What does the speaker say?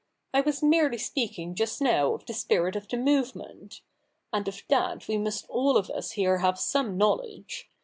I was merely speaking just now of the spirit of the move ment. And of that we must all of us here have some knowledge.